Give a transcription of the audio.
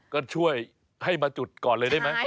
ก็ช่วยให้มาจุดก่อนเลยได้ไหม